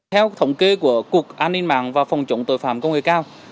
theo thống kê của cục an ninh mạng và phòng chống tội phạm công nghệ cao